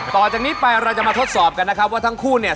ต่อจากนี้ไปเราจะมาทดสอบกันนะครับว่าทั้งคู่เนี่ย